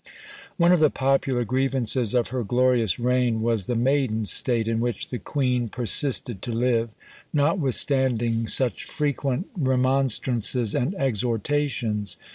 One of the popular grievances of her glorious reign was the maiden state in which the queen persisted to live, notwithstanding such frequent remonstrances and exhortations.